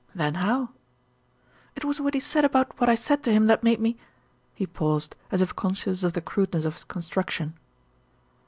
"Then how?" "It was what he said about what I said to him that made me " He paused, as if conscious of the crude ness of his construction.